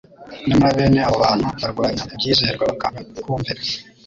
Nyamara bene abo bantu barwanya ibyizerwa bakanga kumvira,